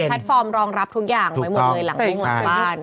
แพลทฟอร์มรองรับทุกอย่างไหมหมุดเมือนหลังไม่หมุดเมือนกลางบ้าน